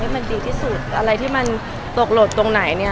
มันดีที่สุดอะไรที่มันตกหลดตรงไหนเนี่ย